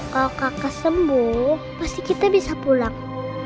kalau kakak sembuh pasti kita bisa pulang